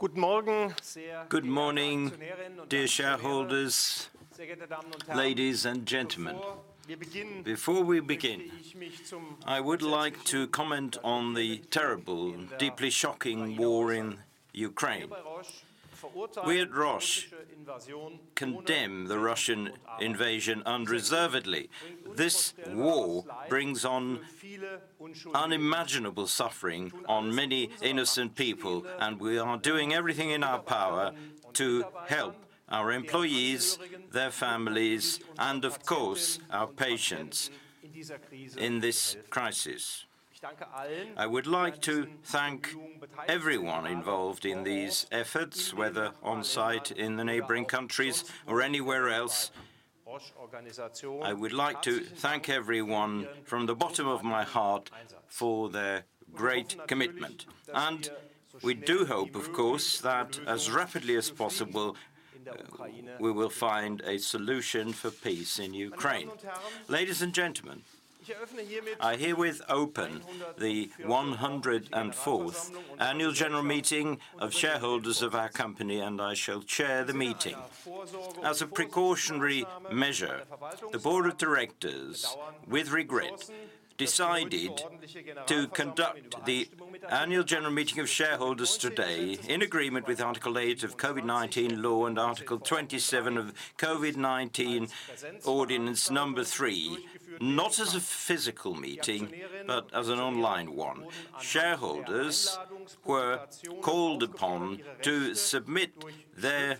Good morning, dear shareholders, ladies and gentlemen. Before we begin, I would like to comment on the terrible, deeply shocking war in Ukraine. We at Roche condemn the Russian invasion unreservedly. This war brings on unimaginable suffering on many innocent people, and we are doing everything in our power to help our employees, their families, and of course our patients in this crisis. I would like to thank everyone involved in these efforts, whether on site in the neighboring countries or anywhere else. I would like to thank everyone from the bottom of my heart for their great commitment. We do hope, of course, that as rapidly as possible, we will find a solution for peace in Ukraine. Ladies and gentlemen, I herewith open the 104th annual general meeting of shareholders of our company, and I shall chair the meeting. As a precautionary measure, the board of directors, with regret, decided to conduct the annual general meeting of shareholders today in agreement with Article 8 of COVID-19 Act and Article 27 of COVID-19 Ordinance three, not as a physical meeting, but as an online one. Shareholders were called upon to submit their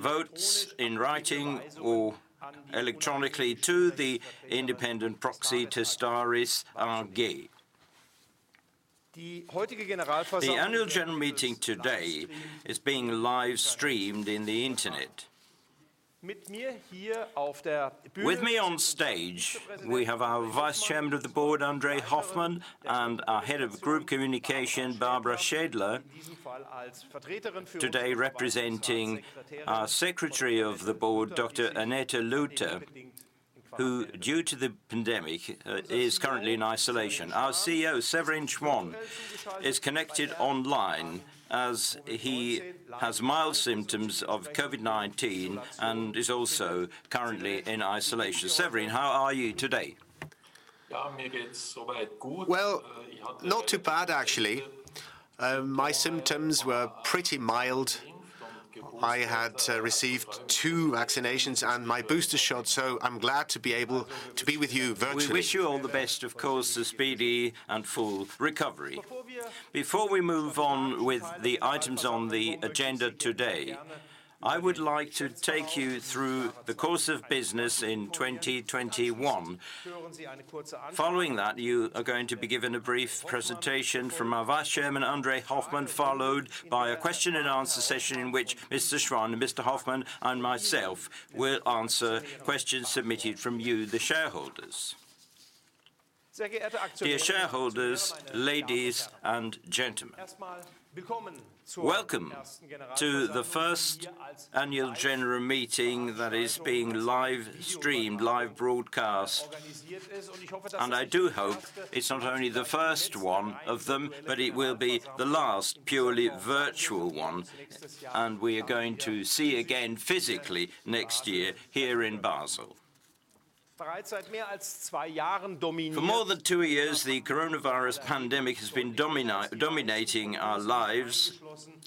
votes in writing or electronically to the independent proxy Testaris AG. The annual general meeting today is being live streamed on the internet. With me on stage, we have our Vice Chairman of the Board, André Hoffmann, and our Head of Group Communications, Barbara Schädler, today representing our Secretary of the Board, Dr. Annette Luther, who, due to the pandemic, is currently in isolation. Our CEO, Severin Schwan, is connected online as he has mild symptoms of COVID-19 and is also currently in isolation. Severin, how are you today? Well, not too bad, actually. My symptoms were pretty mild. I had received two vaccinations and my booster shot, so I'm glad to be able to be with you virtually. We wish you all the best, of course, a speedy and full recovery. Before we move on with the items on the agenda today, I would like to take you through the course of business in 2021. Following that, you are going to be given a brief presentation from our Vice Chairman, André Hoffmann, followed by a question and answer session in which Mr. Schwan and Mr. Hoffmann and myself will answer questions submitted from you, the shareholders. Dear shareholders, ladies and gentlemen, welcome to the first annual general meeting that is being live streamed, live broadcast. I do hope it's not only the first one of them, but it will be the last purely virtual one, and we are going to see again physically next year here in Basel. For more than two years, the coronavirus pandemic has been dominating our lives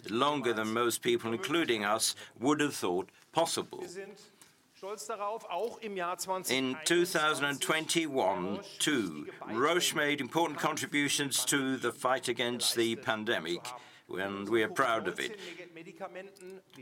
longer than most people, including us, would have thought possible. In 2021 too, Roche made important contributions to the fight against the pandemic, and we are proud of it,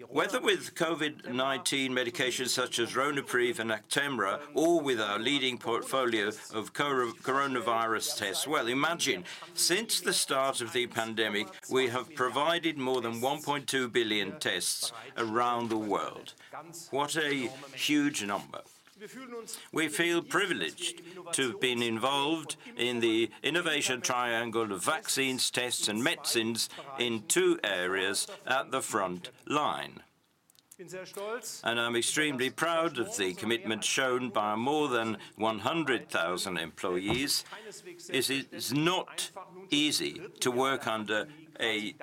whether with COVID-19 medications such as Ronapreve and Actemra or with our leading portfolio of coronavirus tests. Well, imagine, since the start of the pandemic, we have provided more than 1.2 billion tests around the world. What a huge number. We feel privileged to have been involved in the innovation triangle of vaccines, tests, and medicines in two areas at the front line. I'm extremely proud of the commitment shown by more than 100,000 employees. It is not easy to work under a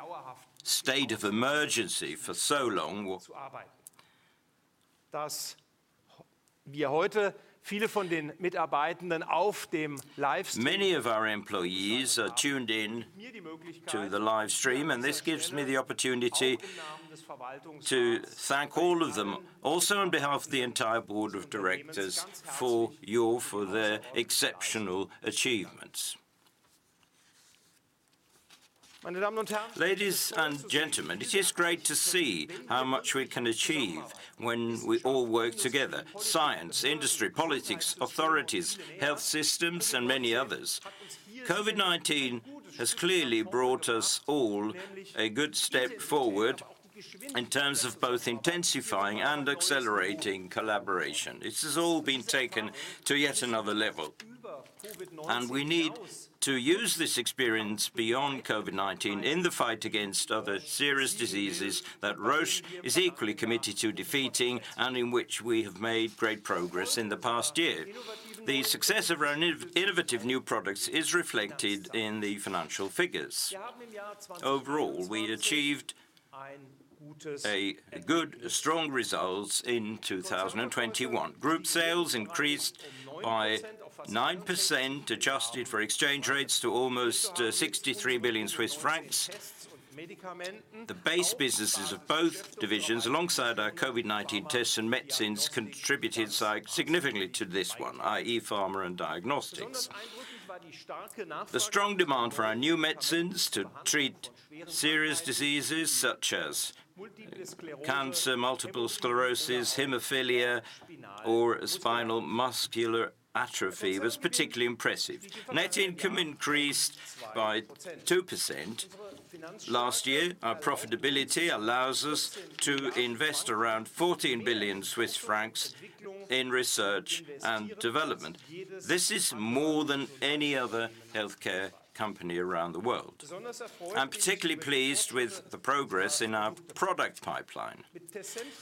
state of emergency for so long. Many of our employees are tuned in to the live stream, and this gives me the opportunity to thank all of them, also on behalf of the entire board of directors, for their exceptional achievements. Ladies and gentlemen, it is great to see how much we can achieve when we all work together, science, industry, politics, authorities, health systems, and many others. COVID-19 has clearly brought us all a good step forward in terms of both intensifying and accelerating collaboration. This has all been taken to yet another level, and we need to use this experience beyond COVID-19 in the fight against other serious diseases that Roche is equally committed to defeating and in which we have made great progress in the past year. The success of our innovative new products is reflected in the financial figures. Overall, we achieved a good strong results in 2021. Group sales increased by 9%, adjusted for exchange rates to almost 63 billion Swiss francs. The base businesses of both divisions, alongside our COVID-19 tests and medicines, contributed significantly to this one, i.e. Pharma and Diagnostics. The strong demand for our new medicines to treat serious diseases such as cancer, multiple sclerosis, hemophilia, or spinal muscular atrophy was particularly impressive. Net income increased by 2% last year. Our profitability allows us to invest around 14 billion Swiss francs in research and development. This is more than any other healthcare company around the world. I'm particularly pleased with the progress in our product pipeline.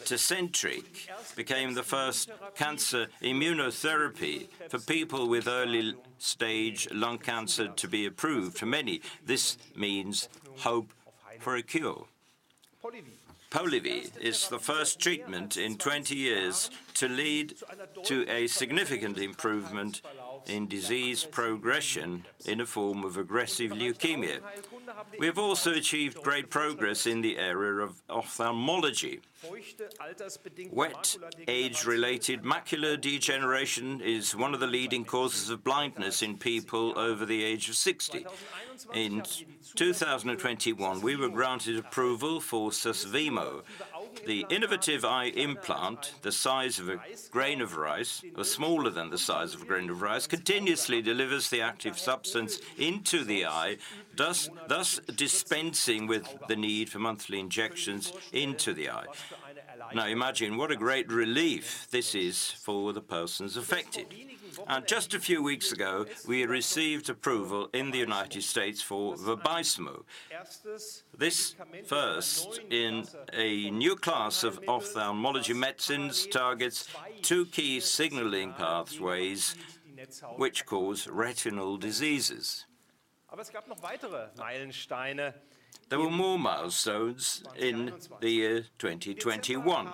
Tecentriq became the first cancer immunotherapy for people with early stage lung cancer to be approved. For many, this means hope for a cure. Polivy is the first treatment in 20 years to lead to a significant improvement in disease progression in a form of aggressive leukemia. We have also achieved great progress in the area of ophthalmology. Wet age-related macular degeneration is one of the leading causes of blindness in people over the age of 60. In 2021, we were granted approval for Susvimo. The innovative eye implant, the size of a grain of rice or smaller than the size of a grain of rice, continuously delivers the active substance into the eye, thus dispensing with the need for monthly injections into the eye. Now imagine what a great relief this is for the persons affected. Just a few weeks ago, we received approval in the United States for Vabysmo. This first in a new class of ophthalmology medicines targets two key signaling pathways which cause retinal diseases. There were more milestones in the year 2021.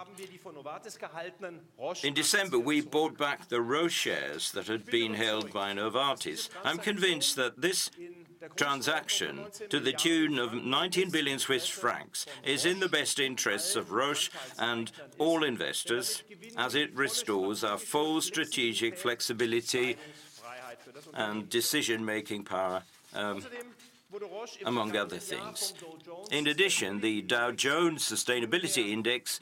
In December, we bought back the Roche shares that had been held by Novartis. I'm convinced that this transaction to the tune of 19 billion Swiss francs is in the best interests of Roche and all investors as it restores our full strategic flexibility and decision-making power, among other things. In addition, the Dow Jones Sustainability Index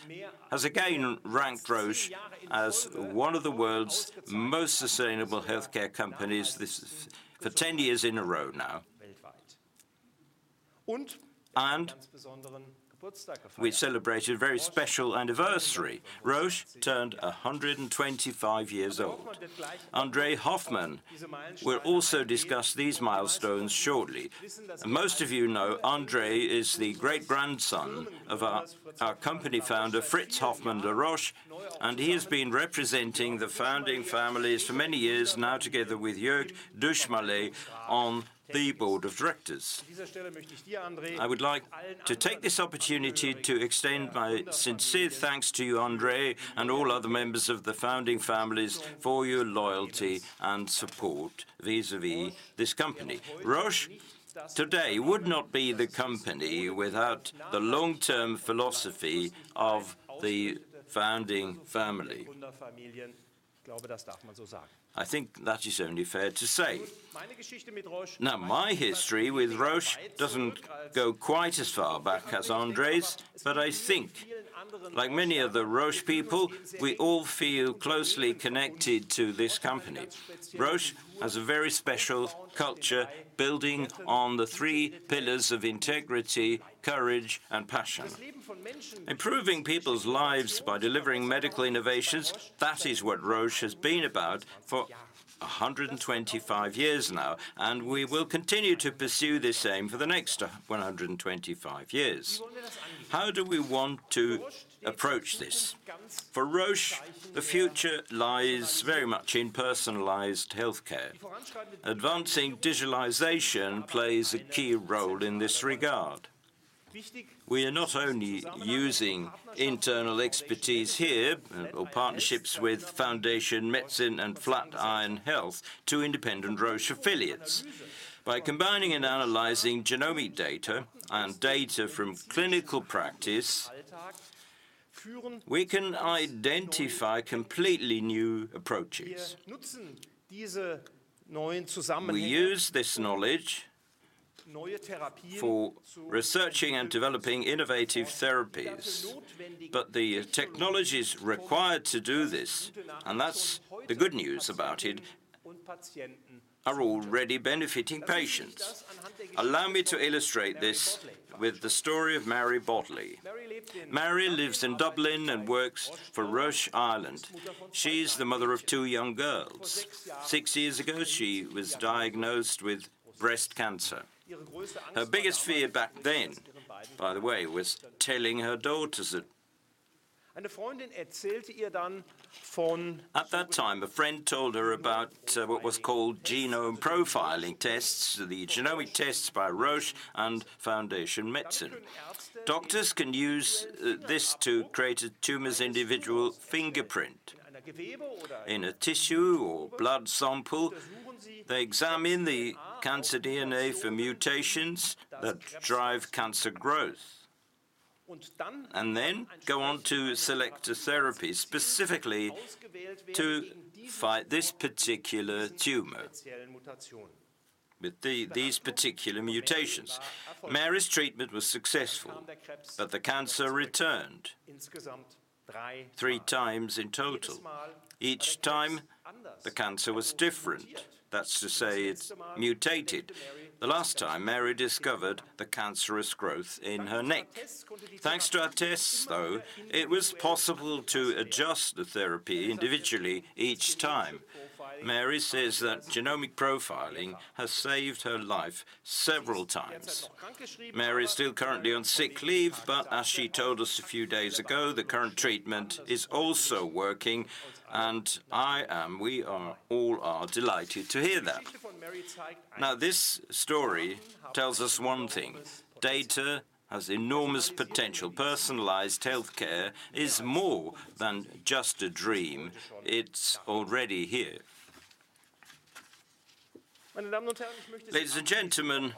has again ranked Roche as one of the world's most sustainable healthcare companies this for 10 years in a row now. We celebrated a very special anniversary. Roche turned 125 years old. André Hoffmann will also discuss these milestones shortly. Most of you know André Hoffmann is the great-grandson of our company founder, Fritz Hoffmann-La Roche, and he has been representing the founding families for many years now together with Jörg Duschmalé on the board of directors. I would like to take this opportunity to extend my sincere thanks to you, André, and all other members of the founding families for your loyalty and support vis-à-vis this company. Roche today would not be the company without the long-term philosophy of the founding family. I think that is only fair to say. Now, my history with Roche doesn't go quite as far back as André's, but I think like many of the Roche people, we all feel closely connected to this company. Roche has a very special culture building on the three pillars of integrity, courage, and passion. Improving people's lives by delivering medical innovations, that is what Roche has been about for 125 years now, and we will continue to pursue this aim for the next 125 years. How do we want to approach this? For Roche, the future lies very much in personalized healthcare. Advancing digitalization plays a key role in this regard. We are not only using internal expertise here or partnerships with Foundation Medicine and Flatiron Health, two independent Roche affiliates. By combining and analyzing genomic data and data from clinical practice, we can identify completely new approaches. We use this knowledge for researching and developing innovative therapies. The technologies required to do this, and that's the good news about it, are already benefiting patients. Allow me to illustrate this with the story of Mary Bodley. Mary lives in Dublin and works for Roche Ireland. She's the mother of two young girls. Six years ago, she was diagnosed with breast cancer. Her biggest fear back then, by the way, was telling her daughters that. At that time, a friend told her about what was called genomic profiling tests, the genomic tests by Roche and Foundation Medicine. Doctors can use this to create a tumor's individual fingerprint. In a tissue or blood sample, they examine the cancer DNA for mutations that drive cancer growth and then go on to select a therapy specifically to fight this particular tumor with these particular mutations. Mary's treatment was successful, but the cancer returned three times in total. Each time the cancer was different. That's to say it mutated. The last time Mary discovered the cancerous growth in her neck. Thanks to our tests, though, it was possible to adjust the therapy individually each time. Mary says that genomic profiling has saved her life several times. Mary is still currently on sick leave, but as she told us a few days ago, the current treatment is also working, and we are all delighted to hear that. This story tells us one thing, data has enormous potential. Personalized healthcare is more than just a dream. It's already here. Ladies and gentlemen,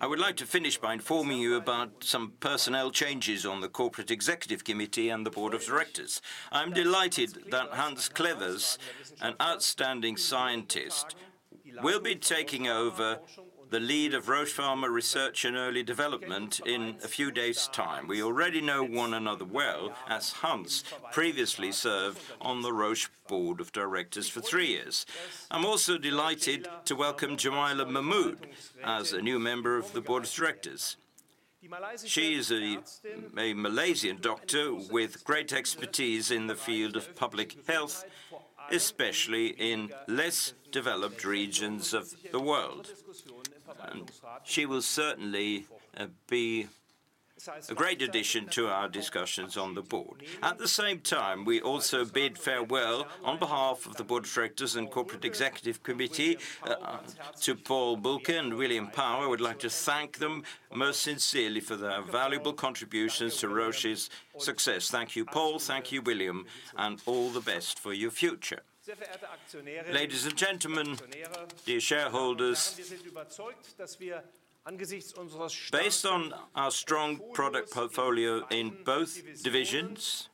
I would like to finish by informing you about some personnel changes on the corporate executive committee and the board of directors. I'm delighted that Hans Clevers, an outstanding scientist, will be taking over the lead of Roche Pharma Research and Early Development in a few days' time. We already know one another well, as Hans previously served on the Roche board of directors for three years. I'm also delighted to welcome Jemilah Mahmood as a new member of the board of directors. She is a Malaysian doctor with great expertise in the field of public health, especially in less developed regions of the world. She will certainly be a great addition to our discussions on the board. At the same time, we also bid farewell on behalf of the board of directors and corporate executive committee to Paul Bulcke and William Pao. I would like to thank them most sincerely for their valuable contributions to Roche's success. Thank you, Paul. Thank you, William, and all the best for your future. Ladies and gentlemen, dear shareholders, based on our strong product portfolio in both divisions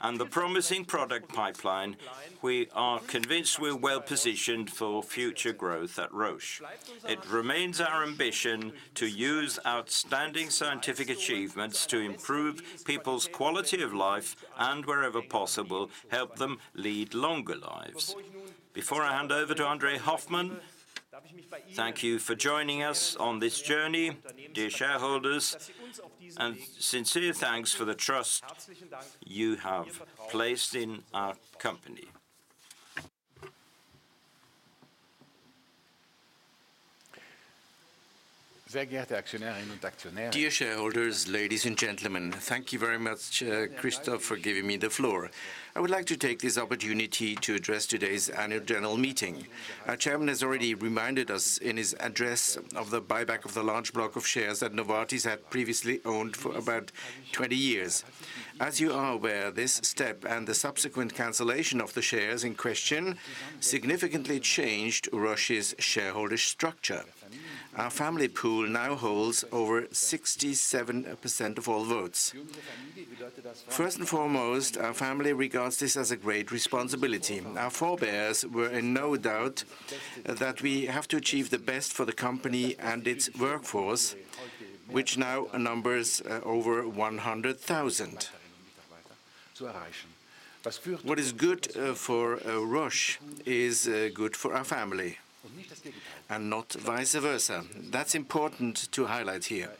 and the promising product pipeline, we are convinced we're well positioned for future growth at Roche. It remains our ambition to use outstanding scientific achievements to improve people's quality of life and wherever possible, help them lead longer lives. Before I hand over to André Hoffmann, thank you for joining us on this journey, dear shareholders, and sincere thanks for the trust you have placed in our company. Dear shareholders, ladies and gentlemen, thank you very much, Christoph, for giving me the floor. I would like to take this opportunity to address today's annual general meeting. Our chairman has already reminded us in his address of the buyback of the large block of shares that Novartis had previously owned for about 20 years. As you are aware, this step and the subsequent cancellation of the shares in question significantly changed Roche's shareholder structure. Our family pool now holds over 67% of all votes. First and foremost, our family regards this as a great responsibility. Our forebears were in no doubt that we have to achieve the best for the company and its workforce, which now numbers over 100,000. What is good for Roche is good for our family and not vice versa. That's important to highlight here.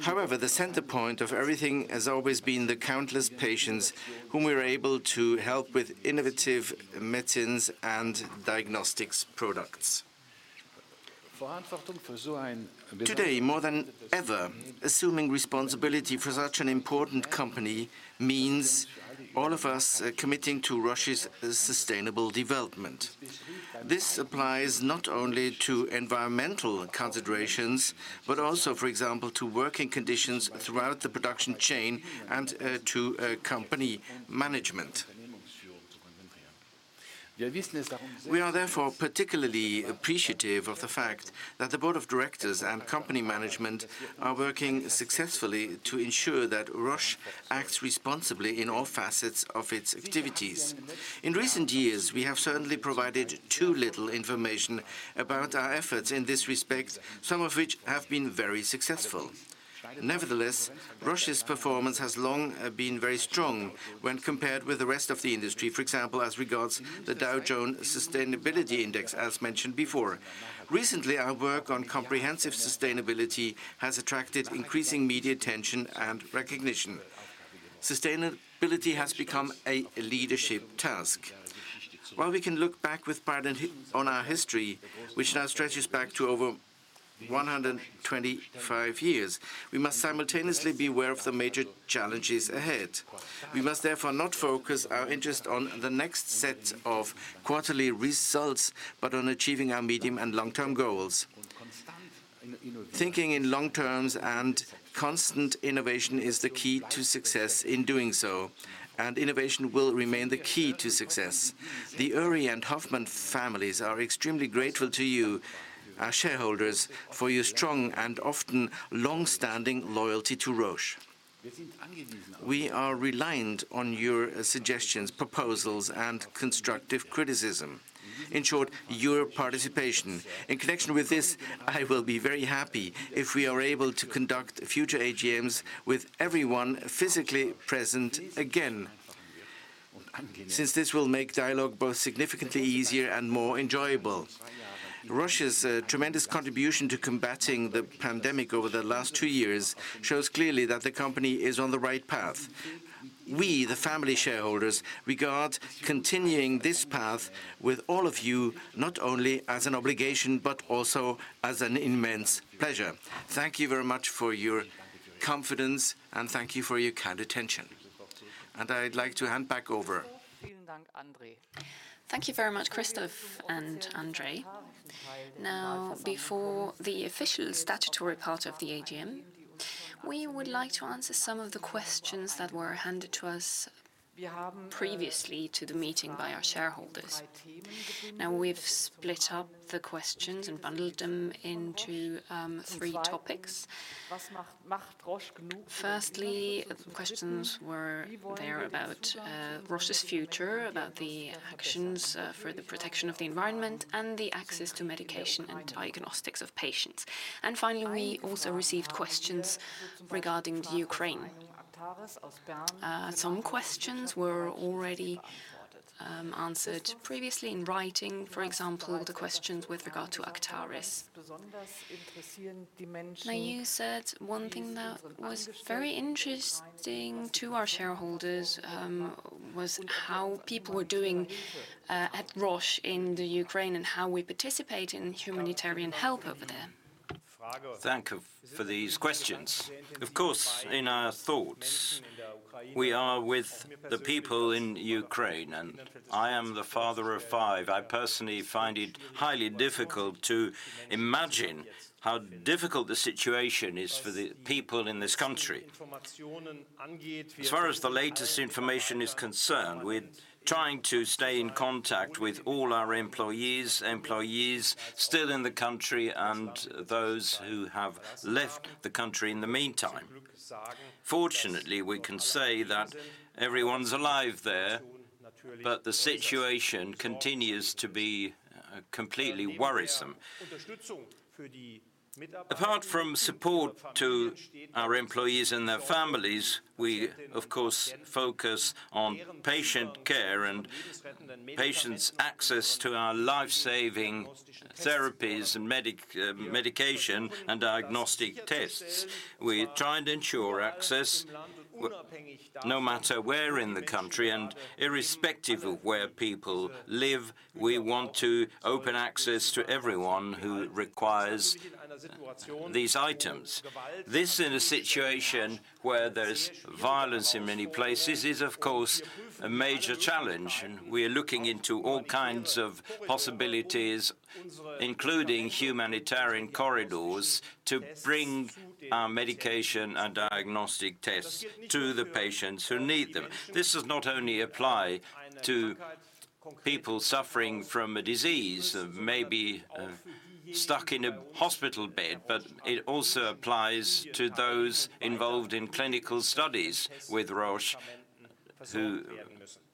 However, the center point of everything has always been the countless patients whom we're able to help with innovative medicines and diagnostics products. Today, more than ever, assuming responsibility for such an important company means all of us committing to Roche's sustainable development. This applies not only to environmental considerations, but also, for example, to working conditions throughout the production chain and, to, company management. We are therefore particularly appreciative of the fact that the board of directors and company management are working successfully to ensure that Roche acts responsibly in all facets of its activities. In recent years, we have certainly provided too little information about our efforts in this respect, some of which have been very successful. Nevertheless, Roche's performance has long been very strong when compared with the rest of the industry, for example, as regards the Dow Jones Sustainability Index, as mentioned before. Recently, our work on comprehensive sustainability has attracted increasing media attention and recognition. Sustainability has become a leadership task. While we can look back with pride on our history, which now stretches back to over 125 years. We must simultaneously be aware of the major challenges ahead. We must therefore not focus our interest on the next set of quarterly results, but on achieving our medium and long-term goals. Thinking in long terms and constant innovation is the key to success in doing so, and innovation will remain the key to success. The Oeri and Hoffmann families are extremely grateful to you, our shareholders, for your strong and often long-standing loyalty to Roche. We are reliant on your suggestions, proposals, and constructive criticism. In short, your participation. In connection with this, I will be very happy if we are able to conduct future AGMs with everyone physically present again, since this will make dialogue both significantly easier and more enjoyable. Roche's tremendous contribution to combating the pandemic over the last two years shows clearly that the company is on the right path. We, the family shareholders, regard continuing this path with all of you, not only as an obligation, but also as an immense pleasure. Thank you very much for your confidence, and thank you for your kind attention. I'd like to hand back over. Thank you very much, Christoph and André. Now, before the official statutory part of the AGM, we would like to answer some of the questions that were handed to us previously to the meeting by our shareholders. Now, we've split up the questions and bundled them into three topics. Firstly, questions were there about Roche's future, about the actions for the protection of the environment and the access to medication and diagnostics of patients. Finally, we also received questions regarding the Ukraine. Some questions were already answered previously in writing, for example, the questions with regard to Actares. Now, you said one thing that was very interesting to our shareholders was how people were doing at Roche in the Ukraine and how we participate in humanitarian help over there. Thanks for these questions. Of course, in our thoughts, we are with the people in Ukraine, and I am the father of five. I personally find it highly difficult to imagine how difficult the situation is for the people in this country. As far as the latest information is concerned, we're trying to stay in contact with all our employees still in the country and those who have left the country in the meantime. Fortunately, we can say that everyone's alive there, but the situation continues to be completely worrisome. Apart from support to our employees and their families, we of course focus on patient care and patients' access to our life-saving therapies and medicines, medication and diagnostic tests. We try and ensure access no matter where in the country and irrespective of where people live, we want to open access to everyone who requires these items. This, in a situation where there's violence in many places, is of course a major challenge, and we are looking into all kinds of possibilities, including humanitarian corridors, to bring our medication and diagnostic tests to the patients who need them. This does not only apply to people suffering from a disease, stuck in a hospital bed, but it also applies to those involved in clinical studies with Roche who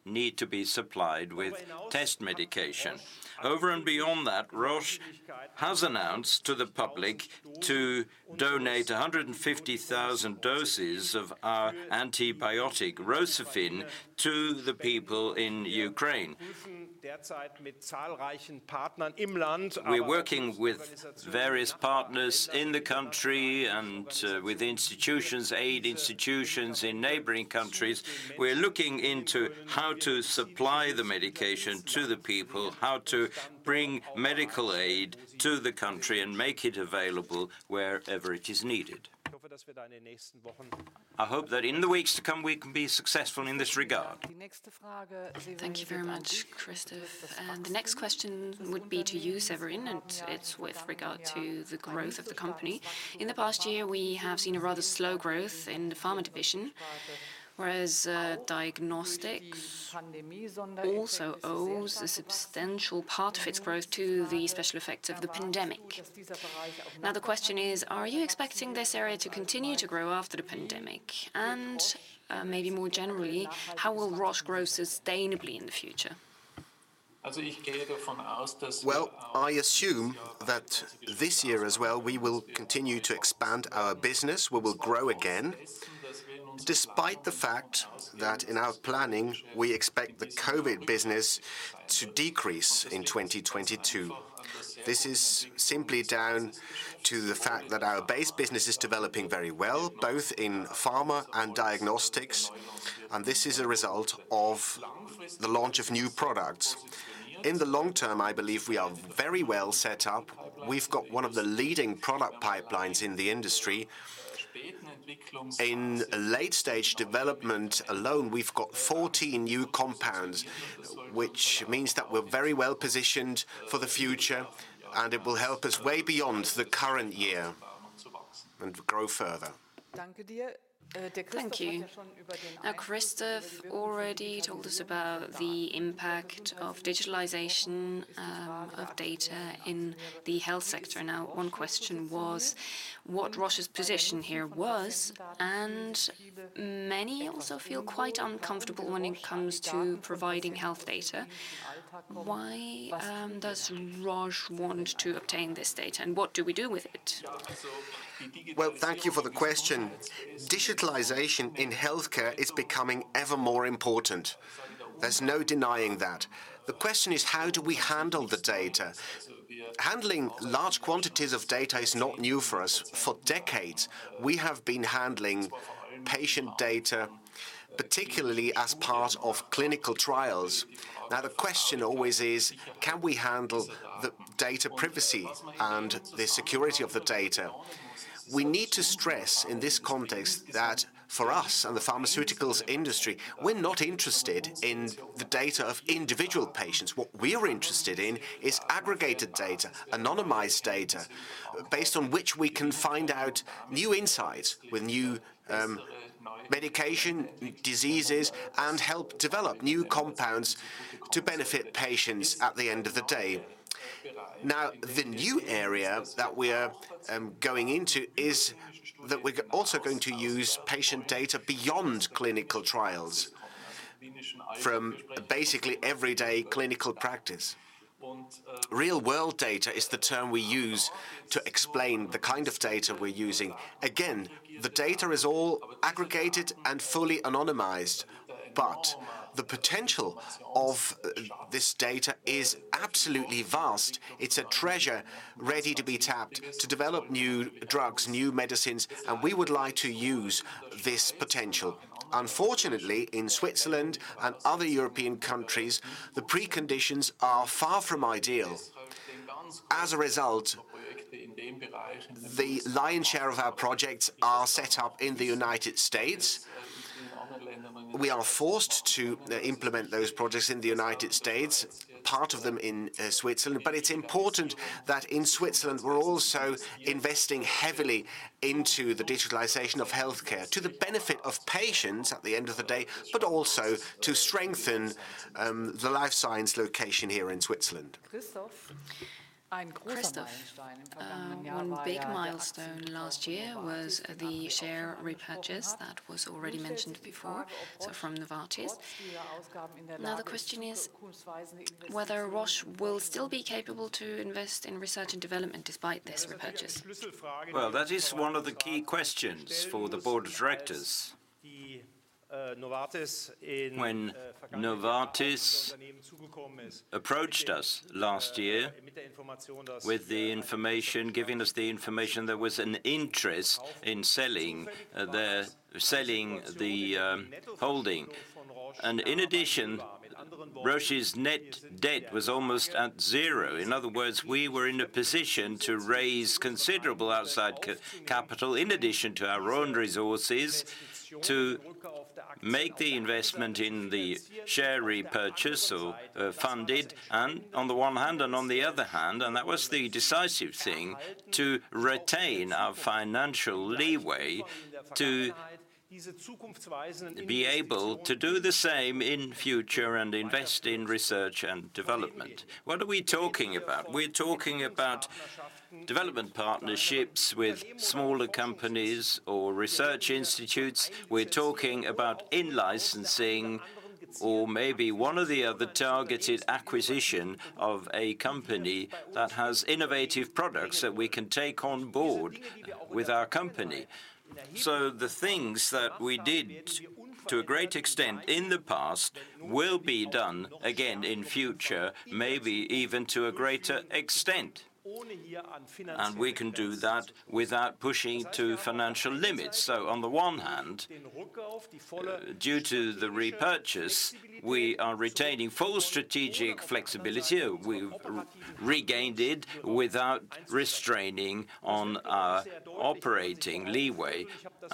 need to be supplied with test medication. Over and beyond that, Roche has announced to the public to donate 150,000 doses of our antibiotic, Rocephin, to the people in Ukraine. We're working with various partners in the country and with institutions, aid institutions in neighboring countries. We're looking into how to supply the medication to the people, how to bring medical aid to the country, and make it available wherever it is needed. I hope that in the weeks to come, we can be successful in this regard. Thank you very much, Christoph. The next question would be to you, Severin, and it's with regard to the growth of the company. In the past year, we have seen a rather slow growth in the pharma division, whereas diagnostics also owes a substantial part of its growth to the special effects of the pandemic. Now, the question is, are you expecting this area to continue to grow after the pandemic? Maybe more generally, how will Roche grow sustainably in the future? Well, I assume that this year as well, we will continue to expand our business. We will grow again, despite the fact that in our planning, we expect the COVID business to decrease in 2022. This is simply down to the fact that our base business is developing very well, both in pharma and diagnostics, and this is a result of the launch of new products. In the long term, I believe we are very well set up. We've got one of the leading product pipelines in the industry. In late-stage development alone, we've got 14 new compounds, which means that we're very well positioned for the future, and it will help us way beyond the current year and grow further. Thank you. Now, Christoph already told us about the impact of digitalization, of data in the health sector. Now, one question was what Roche's position here was, and many also feel quite uncomfortable when it comes to providing health data. Why does Roche want to obtain this data, and what do we do with it? Well, thank you for the question. Digitalization in healthcare is becoming ever more important. There's no denying that. The question is, how do we handle the data? Handling large quantities of data is not new for us. For decades, we have been handling patient data, particularly as part of clinical trials. Now, the question always is, can we handle the data privacy and the security of the data? We need to stress in this context that for us and the pharmaceutical industry, we're not interested in the data of individual patients. What we are interested in is aggregated data, anonymized data, based on which we can find out new insights with new medication, diseases, and help develop new compounds to benefit patients at the end of the day. Now, the new area that we are going into is that we're also going to use patient data beyond clinical trials from basically everyday clinical practice. Real-world data is the term we use to explain the kind of data we're using. Again, the data is all aggregated and fully anonymized, but the potential of this data is absolutely vast. It's a treasure ready to be tapped to develop new drugs, new medicines, and we would like to use this potential. Unfortunately, in Switzerland and other European countries, the preconditions are far from ideal. As a result, the lion's share of our projects are set up in the United States. We are forced to implement those projects in the United States, part of them in Switzerland. It's important that in Switzerland we're also investing heavily into the digitalization of healthcare to the benefit of patients at the end of the day, but also to strengthen the life science location here in Switzerland. Christoph, one big milestone last year was the share repurchase that was already mentioned before, so from Novartis. Now the question is whether Roche will still be capable to invest in research and development despite this repurchase. Well, that is one of the key questions for the board of directors. When Novartis approached us last year with the information that there was an interest in selling the holding. In addition, Roche's net debt was almost at 0. In other words, we were in a position to raise considerable outside capital in addition to our own resources to make the investment in the share repurchase self-funded, on the one hand, on the other hand, that was the decisive thing, to retain our financial leeway to be able to do the same in future and invest in research and development. What are we talking about? We're talking about development partnerships with smaller companies or research institutes. We're talking about in-licensing or maybe one or the other targeted acquisition of a company that has innovative products that we can take on board with our company. The things that we did to a great extent in the past will be done again in future, maybe even to a greater extent. We can do that without pushing to financial limits. On the one hand, due to the repurchase, we are retaining full strategic flexibility. We've regained it without restraining on our operating leeway.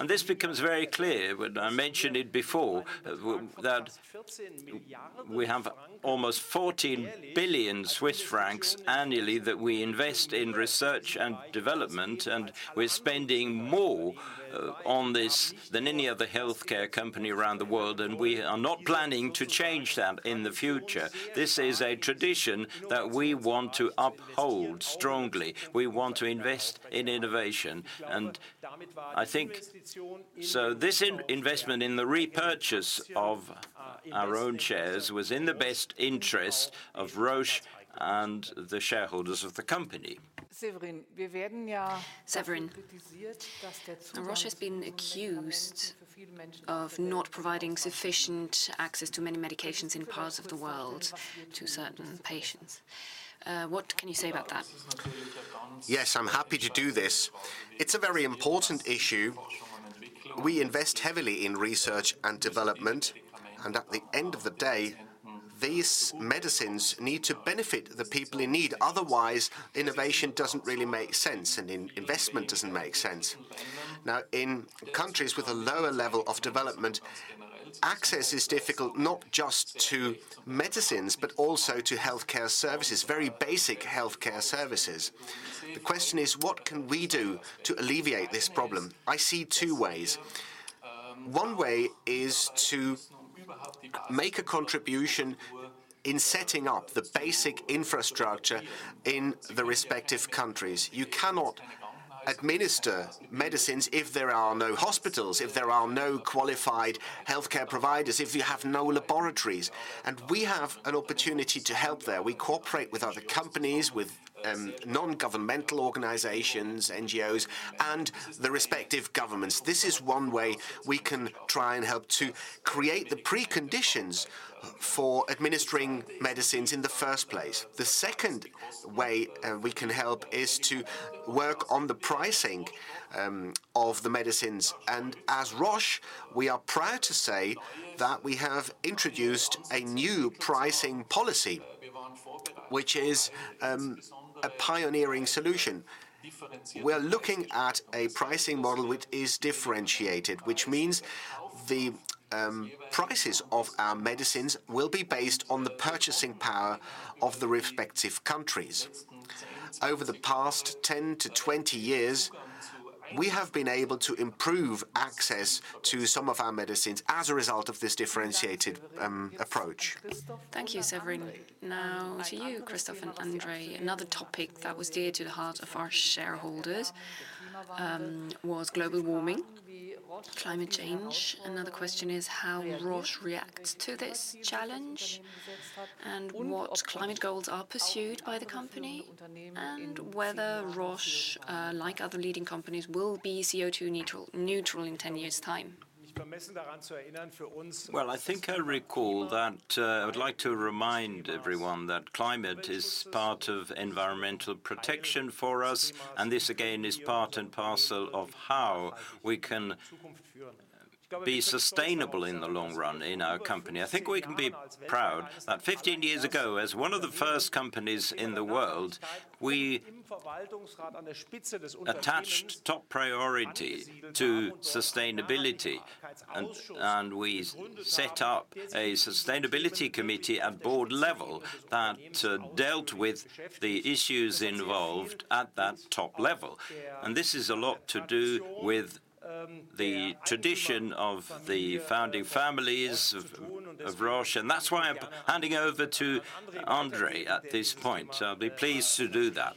This becomes very clear when I mentioned it before, that we have almost 14 billion Swiss francs annually that we invest in research and development, and we're spending more on this than any other healthcare company around the world, and we are not planning to change that in the future. This is a tradition that we want to uphold strongly. We want to invest in innovation, and I think this investment in the repurchase of our own shares was in the best interest of Roche and the shareholders of the company. Severin, now Roche has been accused of not providing sufficient access to many medications in parts of the world to certain patients. What can you say about that? Yes, I'm happy to do this. It's a very important issue. We invest heavily in research and development, and at the end of the day, these medicines need to benefit the people in need. Otherwise, innovation doesn't really make sense, and investment doesn't make sense. Now, in countries with a lower level of development. Access is difficult not just to medicines, but also to healthcare services, very basic healthcare services. The question is what can we do to alleviate this problem? I see two ways. One way is to make a contribution in setting up the basic infrastructure in the respective countries. You cannot administer medicines if there are no hospitals, if there are no qualified healthcare providers, if you have no laboratories. We have an opportunity to help there. We cooperate with other companies, with non-governmental organizations, NGOs, and the respective governments. This is one way we can try and help to create the preconditions for administering medicines in the first place. The second way, we can help is to work on the pricing of the medicines. As Roche, we are proud to say that we have introduced a new pricing policy, which is a pioneering solution. We're looking at a pricing model which is differentiated, which means the prices of our medicines will be based on the purchasing power of the respective countries. Over the past 10-20 years, we have been able to improve access to some of our medicines as a result of this differentiated approach. Thank you, Severin. Now to you, Christoph and André. Another topic that was dear to the heart of our shareholders was global warming, climate change. Another question is how Roche reacts to this challenge and what climate goals are pursued by the company, and whether Roche, like other leading companies, will be CO2 neutral in ten years' time. Well, I think I recall that I would like to remind everyone that climate is part of environmental protection for us, and this again is part and parcel of how we can be sustainable in the long run in our company. I think we can be proud that 15 years ago, as one of the first companies in the world, we attached top priority to sustainability and we set up a sustainability committee at board level that dealt with the issues involved at that top level. This is a lot to do with the tradition of the founding families of Roche, and that's why I'm handing over to André at this point. I'll be pleased to do that.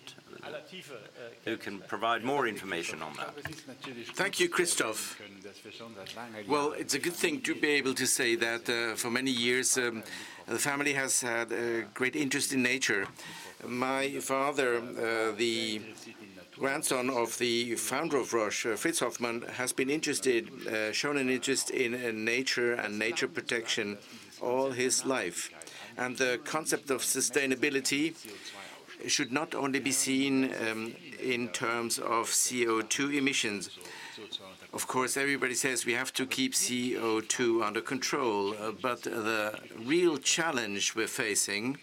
He can provide more information on that. Thank you, Christoph. Well, it's a good thing to be able to say that, for many years, the family has had a great interest in nature. My father, the grandson of the founder of Roche, Fritz Hofmann-La Roche, has shown an interest in nature and nature protection all his life. The concept of sustainability should not only be seen in terms of CO2 emissions. Of course, everybody says we have to keep CO2 under control, but the real challenge we're facing,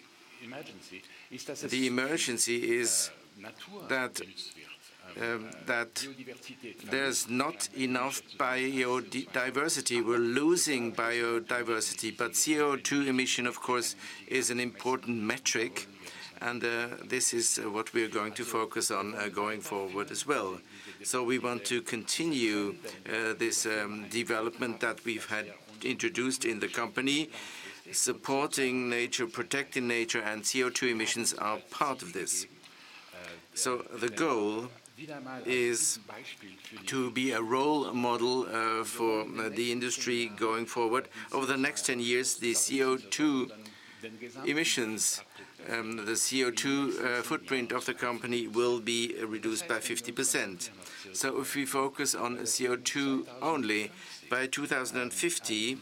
the emergency is that there's not enough biodiversity. We're losing biodiversity. CO2 emission, of course, is an important metric, and this is what we are going to focus on going forward as well. We want to continue this development that we've had introduced in the company, supporting nature, protecting nature, and CO2 emissions are part of this. The goal is to be a role model for the industry going forward. Over the next 10 years, the CO2 emissions, the CO2 footprint of the company will be reduced by 50%. If we focus on CO2 only, by 2050,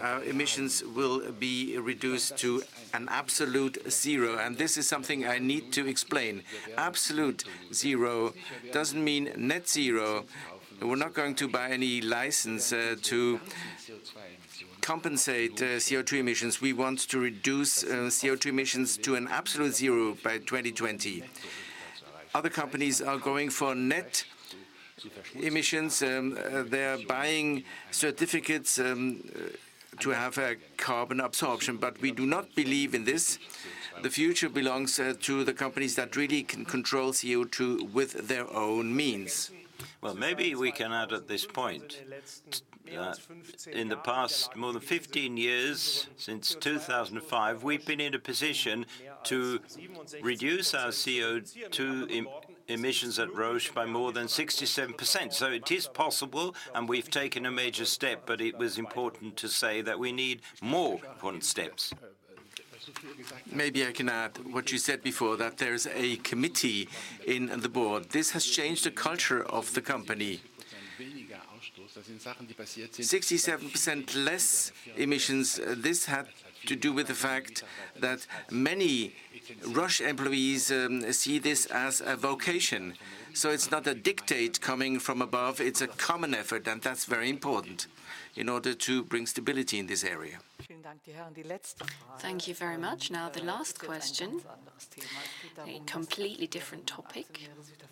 our emissions will be reduced to an absolute zero, and this is something I need to explain. Absolute zero doesn't mean net zero. We're not going to buy any license to compensate CO2 emissions. We want to reduce CO2 emissions to an absolute zero by 2020. Other companies are going for net emissions. They are buying certificates to have a carbon absorption, but we do not believe in this. The future belongs to the companies that really can control CO2 with their own means. Well, maybe we can add at this point that in the past more than 15 years, since 2005, we've been in a position to reduce our CO2 emissions at Roche by more than 67%. It is possible, and we've taken a major step, but it was important to say that we need more important steps. Maybe I can add what you said before, that there is a committee in the board. This has changed the culture of the company. 67% less emissions, this had to do with the fact that many Roche employees see this as a vocation. It's not a dictate coming from above, it's a common effort, and that's very important in order to bring stability in this area. Thank you very much. Now the last question. A completely different topic.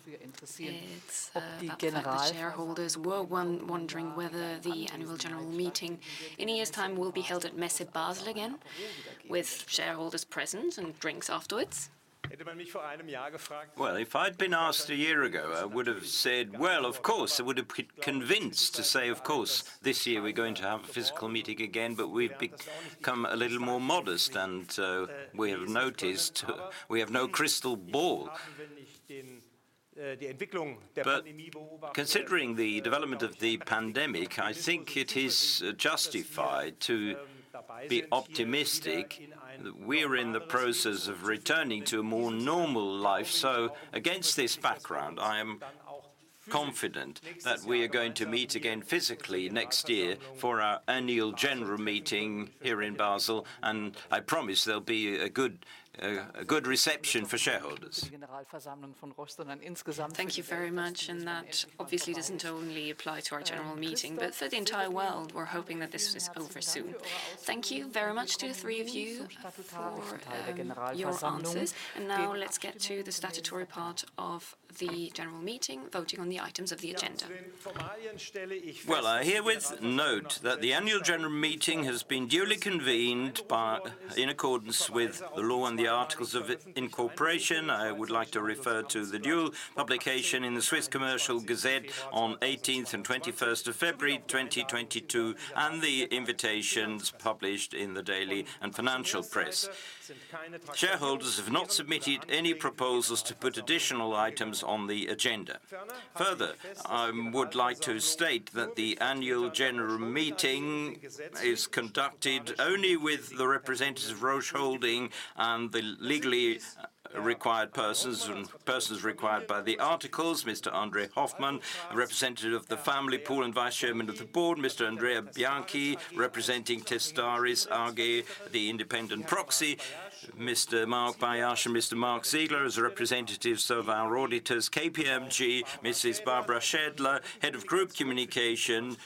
It's about the fact the shareholders were wondering whether the annual general meeting in a year's time will be held at Messe Basel again with shareholders present and drinks afterwards. Well, if I'd been asked a year ago, I would have said, "Well, of course." I would have been convinced to say, "Of course, this year we're going to have a physical meeting again," but we've become a little more modest, and, we have noticed we have no crystal ball. Considering the development of the pandemic, I think it is justified to be optimistic that we're in the process of returning to a more normal life. Against this background, I am confident that we are going to meet again physically next year for our annual general meeting here in Basel, and I promise there'll be a good reception for shareholders. Thank you very much. That obviously doesn't only apply to our general meeting, but for the entire world, we're hoping that this is over soon. Thank you very much to the three of you for your answers. Now let's get to the statutory part of the general meeting, voting on the items of the agenda. Well, I herewith note that the annual general meeting has been duly convened in accordance with the law and the articles of incorporation. I would like to refer to the dual publication in the Swiss Official Gazette of Commerce on eighteenth and twenty-first of February 2022 and the invitations published in the daily and financial press. Shareholders have not submitted any proposals to put additional items on the agenda. Further, I would like to state that the annual general meeting is conducted only with the representatives of Roche Holding and the legally required persons and persons required by the articles. Mr. André Hoffmann, a representative of the family pool and Vice Chairman of the Board, Mr. Andrea Bianchi, representing Testaris AG, the independent proxy. Mr. Marc Bentjens and Mr. Marc Ziegler as representatives of our auditors, KPMG. Mrs. Barbara Schädler, Head of Group Communications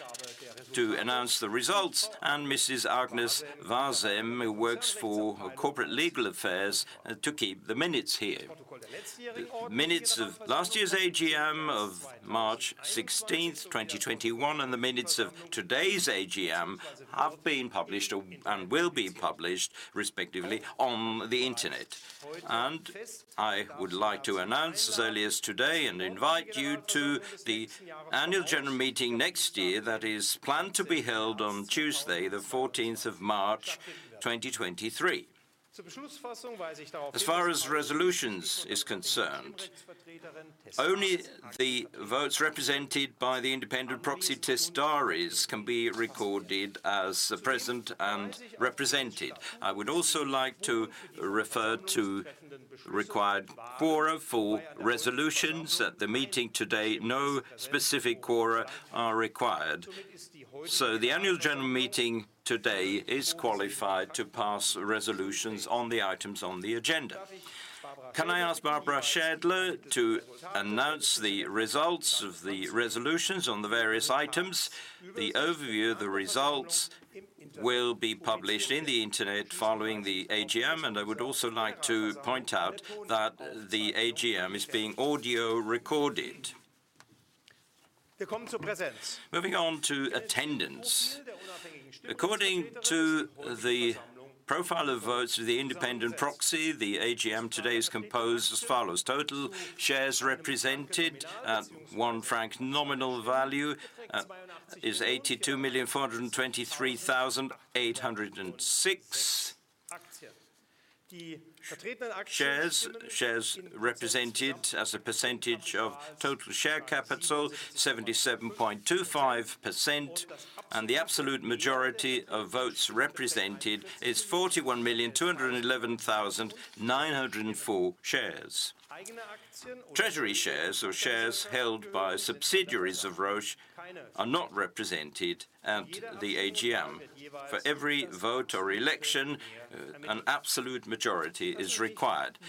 to announce the results, and Mrs. Agnes Wase, who works for corporate legal affairs to keep the minutes here. The minutes of last year's AGM of March 16, 2021, and the minutes of today's AGM have been published, and will be published, respectively, on the internet. I would like to announce as early as today and invite you to the annual general meeting next year that is planned to be held on Tuesday the 14th of March 2023. As far as resolutions is concerned, only the votes represented by the independent proxy Testaris can be recorded as present and represented. I would also like to refer to required quorum for resolutions. At the meeting today, no specific quorum are required. The annual general meeting today is qualified to pass resolutions on the items on the agenda. Can I ask Barbara Schädler to announce the results of the resolutions on the various items? The overview of the results will be published on the internet following the AGM, and I would also like to point out that the AGM is being audio recorded. Moving on to attendance. According to the profile of votes of the independent proxy, the AGM today is composed as follows: Total shares represented at 1 franc nominal value is 82,423,806 shares. Shares represented as a percentage of total share capital, 77.25%, and the absolute majority of votes represented is 41,211,904 shares. Treasury shares or shares held by subsidiaries of Roche are not represented at the AGM. For every vote or election, an absolute majority is required.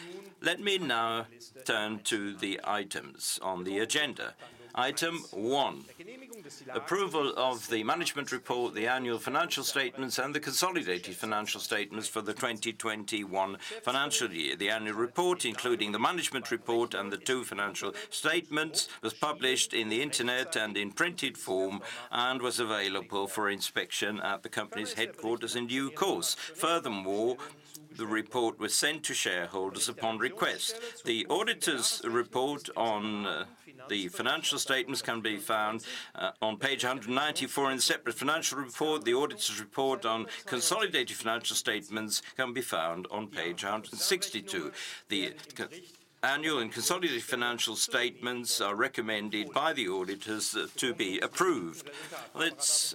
Let me now turn to the items on the agenda. Item one: Approval of the management report, the annual financial statements, and the consolidated financial statements for the 2021 financial year. The annual report, including the management report and the two financial statements, was published on the internet and in printed form and was available for inspection at the company's headquarters in due course. Furthermore, the report was sent to shareholders upon request. The auditor's report on the financial statements can be found on page 194 in separate financial report. The auditor's report on consolidated financial statements can be found on page 162. The annual and consolidated financial statements are recommended by the auditors to be approved. Let's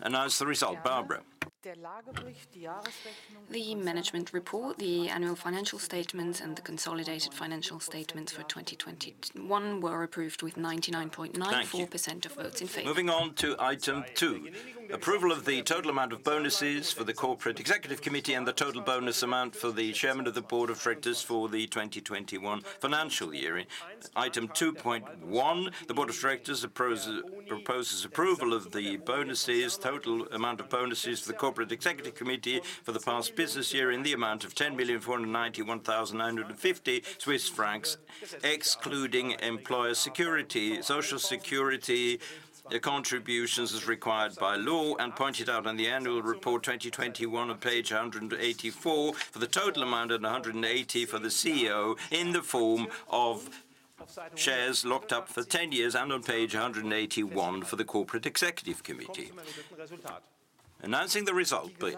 announce the result. Barbara? The management report, the annual financial statements, and the consolidated financial statements for 2021 were approved with 99.94% of votes in favor. Thank you. Moving on to item two: Approval of the total amount of bonuses for the Corporate Executive Committee and the total bonus amount for the Chairman of the Board of Directors for the 2021 financial year. In item two point one, the Board of Directors proposes approval of the bonuses, total amount of bonuses for the Corporate Executive Committee for the past business year in the amount of 10,491,950 Swiss francs, excluding employer social security contributions required by law and pointed out on the Annual Report 2021 on page 184 for the total amount and 180 for the CEO in the form of shares locked up for ten years and on page 181 for the Corporate Executive Committee. Announcing the result, please.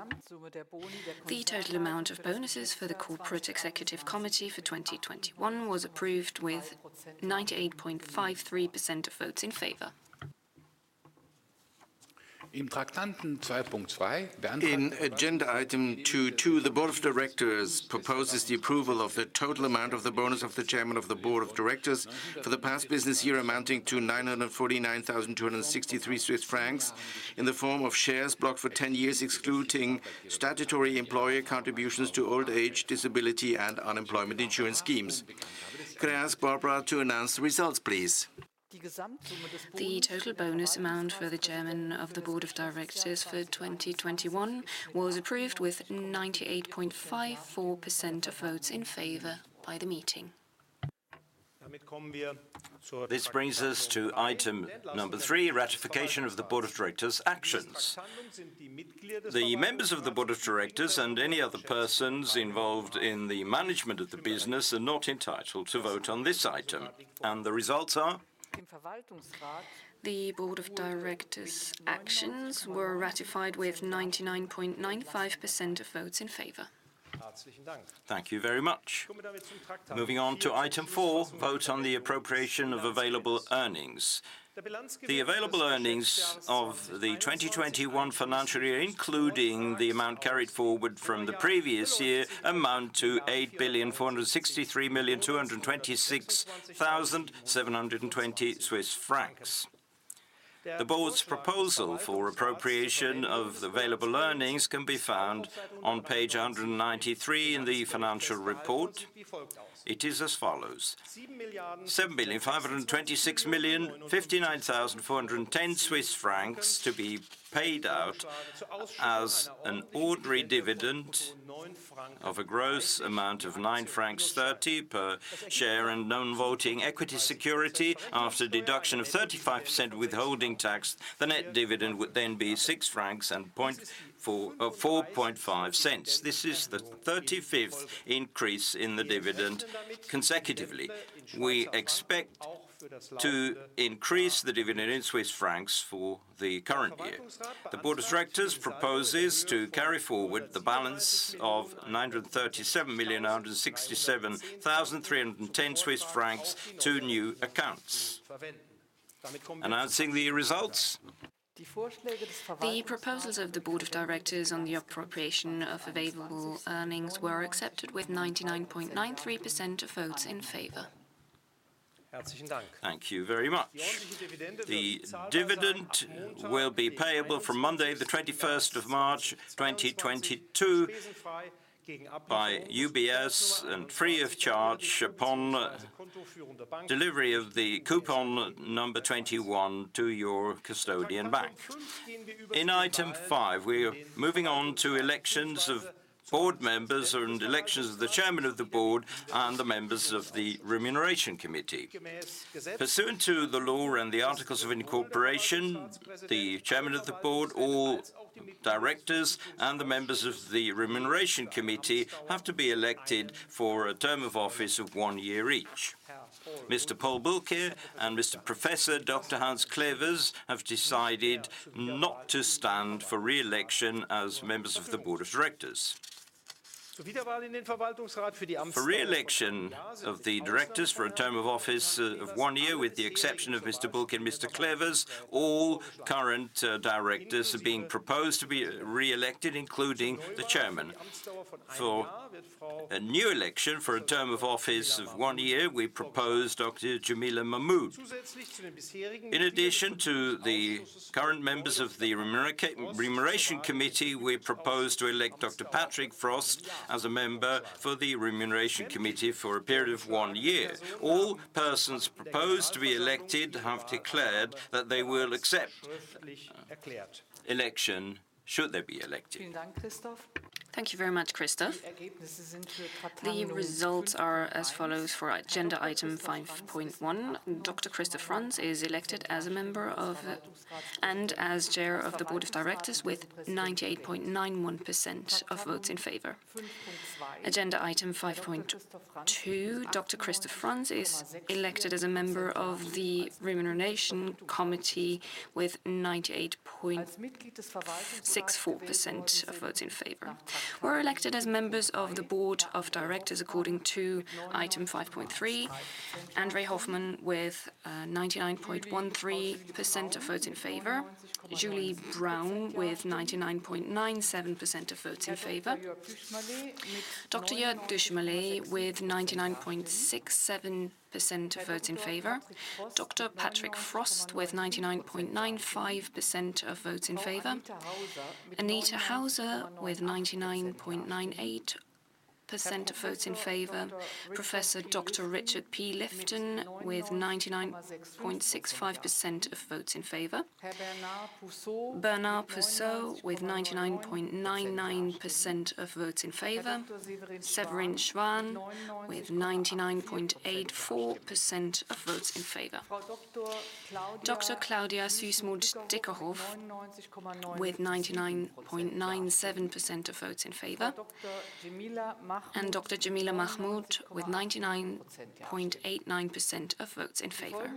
The total amount of bonuses for the corporate executive committee for 2021 was approved with 98.53% of votes in favor. In agenda item 22, the board of directors proposes the approval of the total amount of the bonus of the Chairman of the Board of Directors for the past business year amounting to 949,263 Swiss francs in the form of shares blocked for 10 years, excluding statutory employer contributions to old age, disability, and unemployment insurance schemes. Could I ask Barbara to announce the results, please? The total bonus amount for the Chairman of the Board of Directors for 2021 was approved with 98.54% of votes in favor by the meeting. This brings us to item three, ratification of the Board of Directors' actions. The members of the Board of Directors and any other persons involved in the management of the business are not entitled to vote on this item. The results are? The Board of Directors actions were ratified with 99.95% of votes in favor. Thank you very much. Moving on to item four, vote on the appropriation of available earnings. The available earnings of the 2021 financial year, including the amount carried forward from the previous year, amount to 8,463,226,720 Swiss francs. The board's proposal for appropriation of the available earnings can be found on page 193 in the financial report. It is as follows. 7,526,059,410 Swiss francs to be paid out as an ordinary dividend of a gross amount of 9.30 francs per share and non-voting equity security. After deduction of 35% withholding tax, the net dividend would then be 6.045 francs. This is the 35th increase in the dividend consecutively. We expect to increase the dividend in Swiss francs for the current year. The Board of Directors proposes to carry forward the balance of 937,167,310 Swiss francs to new accounts. Announcing the results. The proposals of the Board of Directors on the appropriation of available earnings were accepted with 99.93% of votes in favor. Thank you very much. The dividend will be payable from Monday, the 21st of March, 2022, by UBS and free of charge upon delivery of the coupon number 21 to your custodian bank. In item five, we are moving on to elections of board members and elections of the chairman of the board and the members of the remuneration committee. Pursuant to the law and the articles of incorporation, the chairman of the board, all directors, and the members of the remuneration committee have to be elected for a term of office of one year each. Mr. Paul Bulcke and Mr. Professor Dr. Hans Clevers have decided not to stand for re-election as members of the board of directors. For re-election of the directors for a term of office, of one year, with the exception of Mr. Bulcke and Mr. Clevers, all current directors are being proposed to be re-elected, including the chairman. For a new election for a term of office of one year, we propose Dr. Jemilah Mahmood. In addition to the current members of the remuneration committee, we propose to elect Dr. Patrick Frost as a member for the remuneration committee for a period of one year. All persons proposed to be elected have declared that they will accept election should they be elected. Thank you very much, Christoph. The results are as follows for agenda item 5.1: Dr. Christoph Franz is elected as a member of, and as chair of the Board of Directors with 98.91% of votes in favor. Agenda item 5.2: Dr. Christoph Franz is elected as a member of the Remuneration Committee with 98.64% of votes in favor. Were elected as members of the Board of Directors according to item 5.3: André Hoffmann with 99.13% of votes in favor, Julie Brown with 99.97% of votes in favor, Dr. Jörg Duschmalé with 99.67% of votes in favor, Dr. Patrick Frost with 99.95% of votes in favor, Anita Hauser with 99.98% of votes in favor. Professor Dr. Richard P. Lifton with 99.65% of votes in favor. Bernard Poussot with 99.99% of votes in favor. Severin Schwan with 99.84% of votes in favor. Dr. Claudia Süssmuth-Dyckerhoff with 99.97% of votes in favor. Dr. Jemilah Mahmood with 99.89% of votes in favor.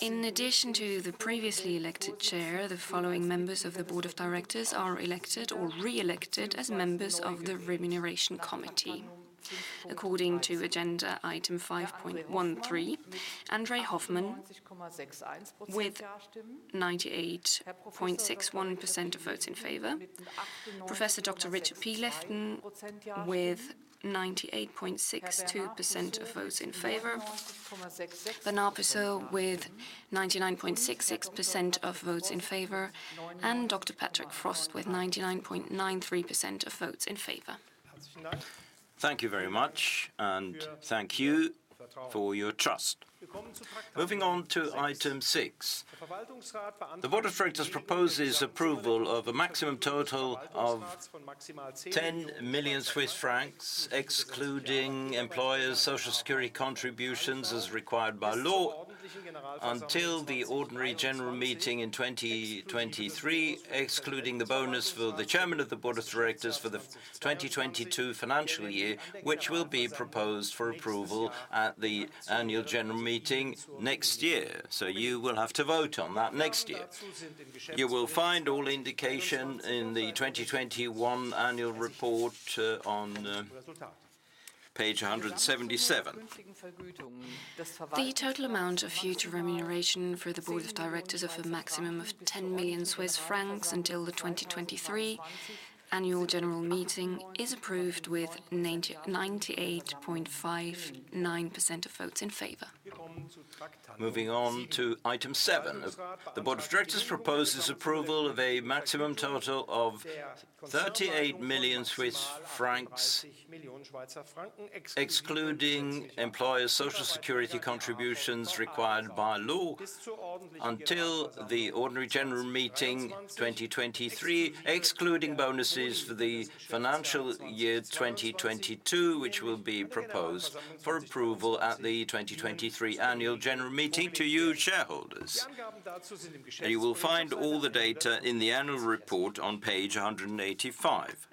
In addition to the previously elected chair, the following members of the Board of Directors are elected or reelected as members of the Remuneration Committee. According to agenda item 5.13, André Hoffmann with 98.61% of votes in favor. Professor Dr. Richard P. Lifton with 98.62% of votes in favor. Bernard Poussot with 99.66% of votes in favor. Dr. Patrick Frost with 99.93% of votes in favor. Thank you very much, and thank you for your trust. Moving on to item six. The Board of Directors proposes approval of a maximum total of 10 million Swiss francs, excluding employers' Social Security contributions as required by law, until the ordinary general meeting in 2023, excluding the bonus for the Chairman of the Board of Directors for the 2022 financial year, which will be proposed for approval at the annual general meeting next year. You will have to vote on that next year. You will find all indications in the 2021 annual report on page 177. The total amount of future remuneration for the Board of Directors of a maximum of 10 million Swiss francs until the 2023 Annual General Meeting is approved with 98.59% of votes in favor. Moving on to item seven. The Board of Directors proposes approval of a maximum total of 38 million Swiss francs, excluding employers' Social Security contributions required by law until the ordinary general meeting 2023, excluding bonuses for the financial year 2022, which will be proposed for approval at the 2023 annual general meeting to you shareholders. You will find all the data in the annual report on page 185.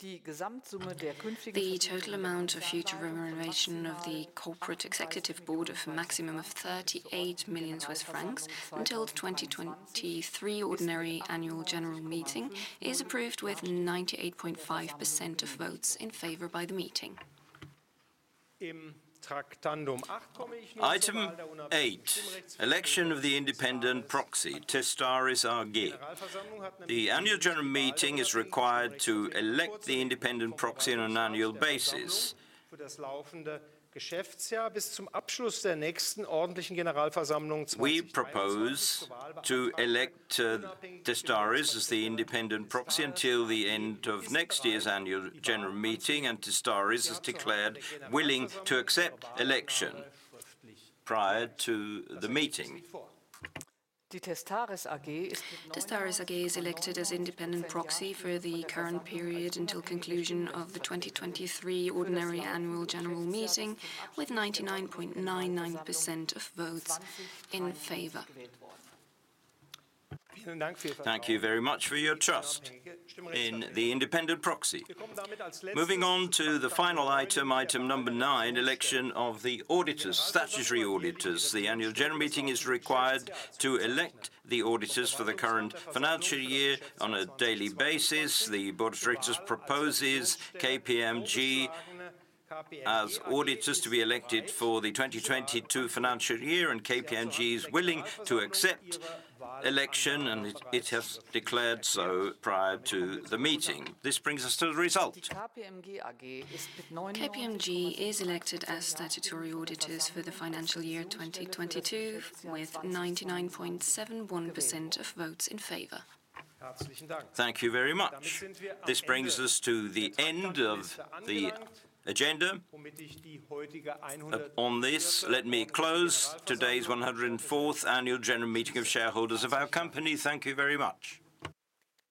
The total amount of future remuneration of the Corporate Executive Board of a maximum of 38 million Swiss francs until the 2023 ordinary annual general meeting is approved with 98.5% of votes in favor by the meeting. Item eight: election of the independent proxy, Testaris AG. The annual general meeting is required to elect the independent proxy on an annual basis. We propose to elect Testaris as the independent proxy until the end of next year's annual general meeting, and Testaris has declared willing to accept election prior to the meeting. Testaris AG is elected as independent proxy for the current period until conclusion of the 2023 ordinary annual general meeting with 99.99% of votes in favor. Thank you very much for your trust in the independent proxy. Moving on to the final item number nine, election of the auditors, statutory auditors. The Annual General Meeting is required to elect the auditors for the current financial year on an annual basis. The Board of Directors proposes KPMG as auditors to be elected for the 2022 financial year, and KPMG is willing to accept election, and it has declared so prior to the meeting. This brings us to the result. KPMG is elected as statutory auditors for the financial year 2022 with 99.71% of votes in favor. Thank you very much. This brings us to the end of the agenda. On this, let me close today's 104th Annual General Meeting of Shareholders of our company. Thank you very much.